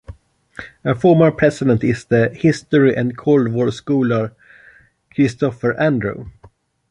A former president is the historian and Cold War scholar Christopher Andrew.